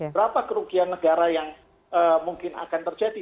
berapa kerugian negara yang mungkin akan terjadi